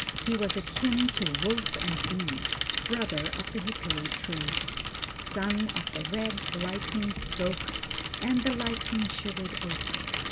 He was akin to wolf and bee, Brother of the hickory tree. Son of the red lightning stroke And the lightning shivered oak.